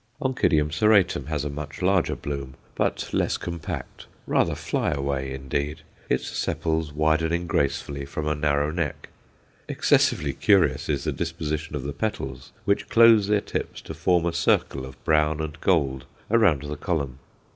Onc. serratum has a much larger bloom, but less compact, rather fly away indeed, its sepals widening gracefully from a narrow neck. Excessively curious is the disposition of the petals, which close their tips to form a circle of brown and gold around the column.